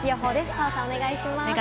澤さん、お願いします。